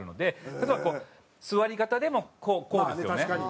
例えば座り方でもこうですよね。